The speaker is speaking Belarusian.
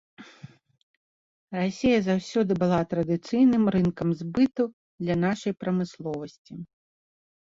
Расія заўсёды была традыцыйным рынкам збыту для нашай прамысловасці.